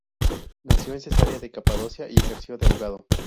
Nació en Cesarea de Capadocia y ejerció de abogado.